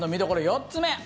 ４つ目。